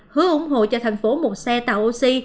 hứa ủng hộ cho thành phố một xe tạo oxy